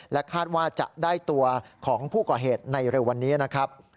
คาดว่าจะได้ตัวของผู้ก่อเหตุในเร็ววันนี้นะครับ